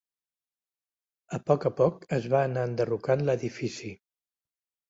A poc a poc es va anar enderrocant l'edifici.